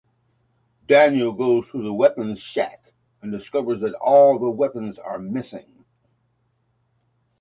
Daniel goes to the weapons shack and discovers that all the weapons are missing.